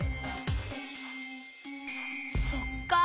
そっか。